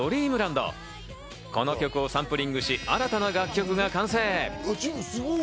この曲をサンプリングし、新たな楽曲が完成。